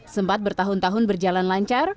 sempat bertahun tahun berjalan lancar